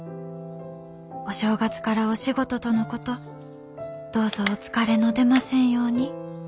お正月からお仕事とのことどうぞお疲れの出ませんように」。